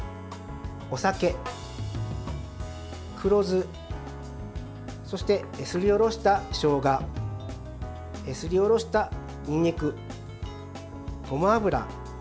お酒、黒酢そして、すりおろしたしょうがすりおろしたにんにく、ごま油。